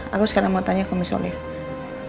aku sekarang mau tanya ke miss olive